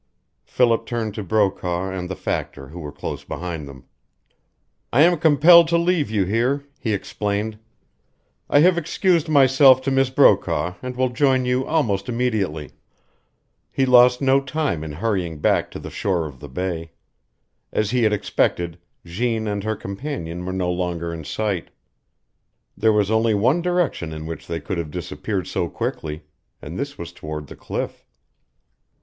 Philip turned to Brokaw and the factor, who were close behind them. "I am compelled to leave you here," he explained. "I have excused myself to Miss Brokaw, and will rejoin you almost immediately." He lost no time in hurrying back to the shore of the Bay. As he had expected, Jeanne and her companion were no longer in sight. There was only one direction in which they could have disappeared so quickly, and this was toward the cliff.